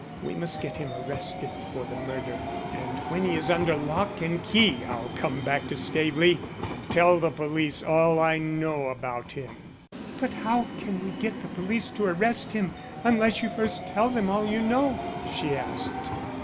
We must get him arrested for the murder, and when he is under lock and key I'll come back to Staveley and tell the police all I know about him." "But how can we get the police to arrest him unless you first tell them all you know?" she asked.